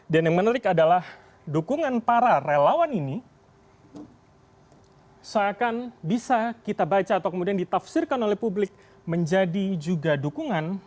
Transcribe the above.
dan yang menarik adalah dukungan para relawan ini seakan bisa kita baca atau kemudian ditafsirkan oleh publik menjadi juga dukungan